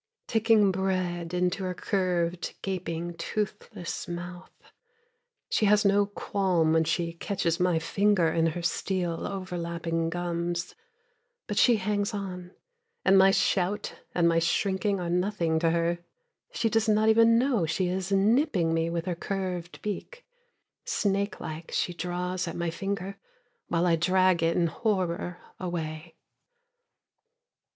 Taking bread in her curved, gaping, toothless mouth, She has no qualm when she catches my finger in her steel overlapping gums, But she hangs on, and my shout and my shrinking are nothing to her, She does not even know she is nipping me with her curved beak. Snake like she draws at my finger, while I drag it in horror away.